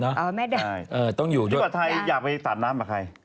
พี่เยอะขวาดไทยอยากไปต่าน้ำขอี่